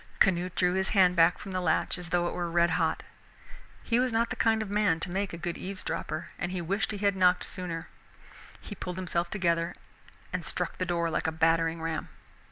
Canute drew his hand back from the latch as though it were red hot. He was not the kind of man to make a good eavesdropper, and he wished he had knocked sooner. He pulled himself together and struck the door like a battering ram.